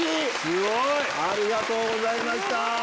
すごい！ありがとうございました！